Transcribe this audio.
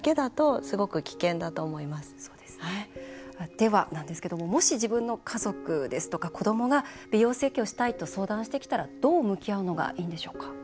では、なんですけどももし自分の家族ですとか子どもが美容整形をしたいと相談してきたらどう向き合うのがいいんでしょうか？